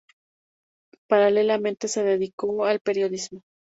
Paralelamente se dedicó al periodismo.